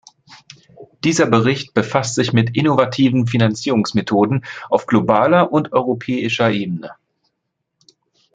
Dieser Bericht befasst sich mit innovativen Finanzierungsmethoden auf globaler und europäischer Ebene.